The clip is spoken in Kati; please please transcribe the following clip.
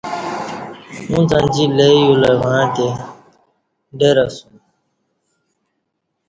اُݩڅ انجی لئ یولہ وعݩتے ڈر اسوم